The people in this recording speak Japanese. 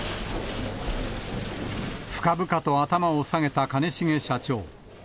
深々と頭を下げた兼重社長。